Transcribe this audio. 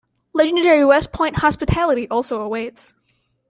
Legendary West Point hospitality also awaits.